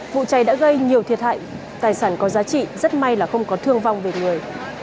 vụ cháy đã gây nhiều thiệt hại tài sản có giá trị rất may là không có thương vong về người